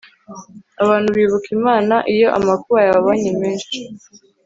abantu bibuka imana iyo amakuba yababanye menshi